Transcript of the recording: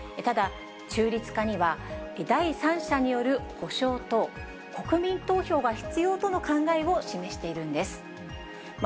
ただ中立化には、第三者による保証と、国民投票が必要との考えを示しているんです。